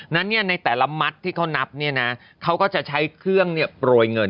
นั่นเนี้ยในแต่ละมัดที่เขานับเนี้ยนะเขาก็จะใช้เครื่องเนี้ยปลวยเงิน